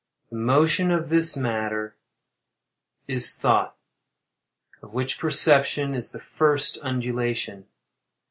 The motion of this latter is thought, of which perception is the first undulation.